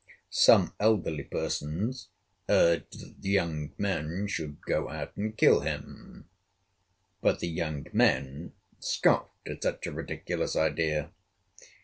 Some elderly persons urged that the young men should go out and kill him; but the young men scoffed at such a ridiculous idea.